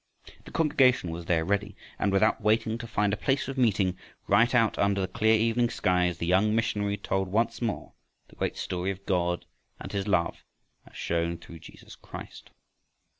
The congregation was there ready, and without waiting to find a place of meeting, right out under the clear evening skies, the young missionary told once more the great story of God and his love as shown through Jesus Christ.